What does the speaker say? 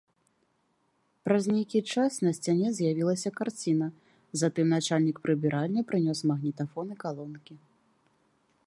Праз нейкі час на сцяне з'явілася карціна, затым начальнік прыбіральні прынёс магнітафон і калонкі.